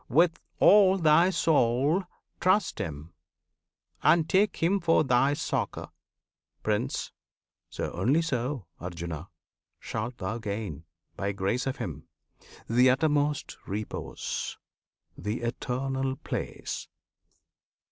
With all thy soul Trust Him, and take Him for thy succour, Prince! So only so, Arjuna! shalt thou gain By grace of Him the uttermost repose, The Eternal Place!